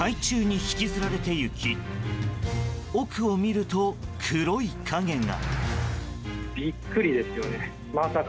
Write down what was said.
海中に引きずられていき奥を見ると黒い影が。